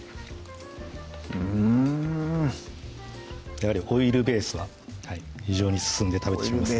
やはりオイルベースは非常に進んで食べてしまいます